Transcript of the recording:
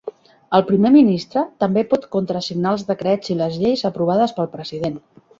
El primer ministre també pot contrasignar els decrets i les lleis aprovades pel president.